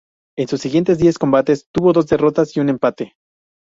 En sus siguientes diez combates tuvo dos derrotas y un empate.